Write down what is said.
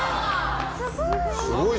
・すごい！